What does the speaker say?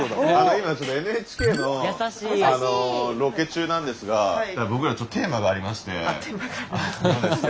今ちょっとＮＨＫのロケ中なんですが僕らちょっとテーマがありまして本当ですか？